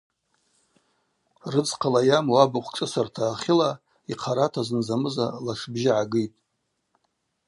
Рыдзхъала йаму абыхъв шӏысырта ахьыла йхъарата зынзамыза лашбжьы гӏагитӏ.